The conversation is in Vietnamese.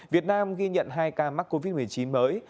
việt nam ghi nhận hai ca mắc covid một mươi chín mới